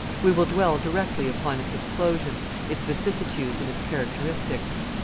We will dwell directly upon its explosion, its vicissitudes, and its characteristics.